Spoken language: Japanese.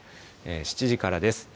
７時からです。